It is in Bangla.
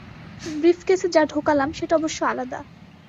ব্রিফকেসে যা ঢোকালাম সেটা অবশ্য আলাদা।